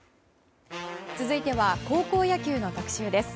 続いては高校野球の特集です。